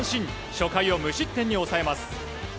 初回を無失点に抑えます。